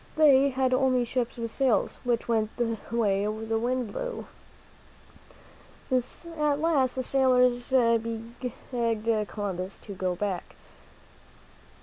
They had only ships with sails, which went the way the wind blew. At last the sailors begged Columbus to go back.